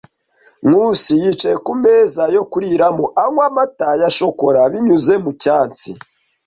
Nkusi yicaye ku meza yo kuriramo, anywa amata ya shokora binyuze mu cyatsi.